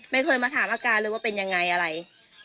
ไม่เคยมาถามอาการเลยว่าเป็นยังไงอะไร